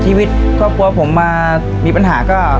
ชีวิตครอบครัวผมมามีปัญหาก็